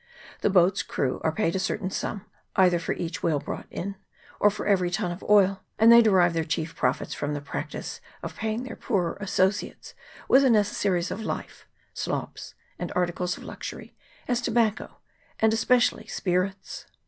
The boat's crew are paid a certain sum, either for each whale brought in, or for every tun of oil, and they derive their chief profits from the practice of paying their poorer associates with the necessaries of life, slops, and articles of luxury, as tobacco, and especially spirits.